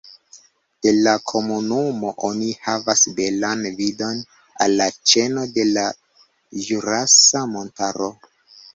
De la komunumo oni havas belan vidon al la ĉeno de la Ĵurasa Montaro.